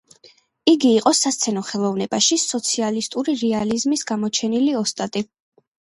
იგი იყო სასცენო ხელოვნებაში სოციალისტური რეალიზმის გამოჩენილი ოსტატი.